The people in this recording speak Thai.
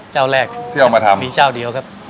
เจ้าแรกมีเจ้าเดียวครับ